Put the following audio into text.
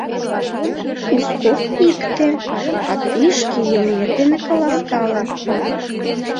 — Узков икте, а тый шке йылмет дене каласкале.